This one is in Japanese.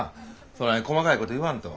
そない細かいこと言わんと。